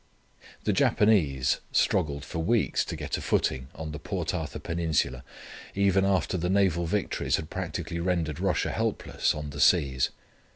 The Japanese struggled for weeks to get a footing on the Port Arthur peninsula, even after the naval victories had practically rendered Russia helpless on the seas.